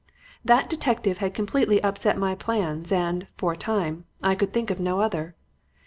That detective had completely upset my plans and, for a time, I could think of no other.